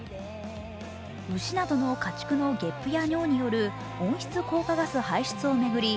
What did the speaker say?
牛などの家畜のげっぷや尿による温室効果ガス排出を巡り